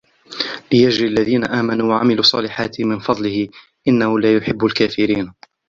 لِيَجْزِيَ الَّذِينَ آمَنُوا وَعَمِلُوا الصَّالِحَاتِ مِنْ فَضْلِهِ إِنَّهُ لَا يُحِبُّ الْكَافِرِينَ